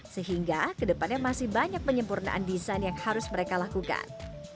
sehingga kedepannya masih banyak penyempurnaan desain yang harus mereka lakukan